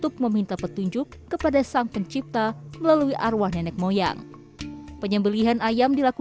kampung adat praijing